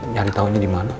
nyari taunya dimana